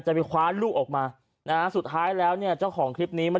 ไปคว้าลูกออกมานะฮะสุดท้ายแล้วเนี่ยเจ้าของคลิปนี้มัน